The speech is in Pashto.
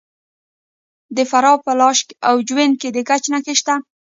د فراه په لاش او جوین کې د ګچ نښې شته.